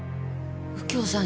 右京さん